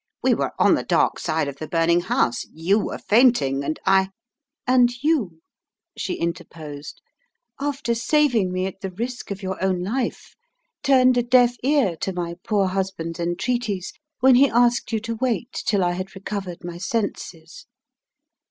"We were on the dark side of the burning house; you were fainting, and I " "And you," she interposed, "after saving me at the risk of your own life, turned a deaf ear to my poor husband's entreaties when he asked you to wait till I had recovered my senses."